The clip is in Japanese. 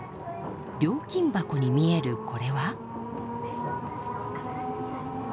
料金箱に見えるこれは。